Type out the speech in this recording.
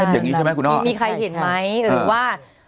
อย่างนี้ใช่ไหมคุณพ่อมีใครเห็นไหมหรือว่า